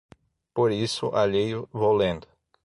Por isso, alheio, vou lendo